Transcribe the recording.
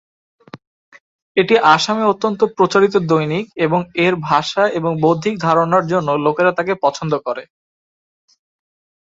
এটি আসামে অত্যন্ত প্রচারিত দৈনিক এবং এর ভাষা এবং বৌদ্ধিক ধারণার জন্য লোকেরা তাকে পছন্দ করে।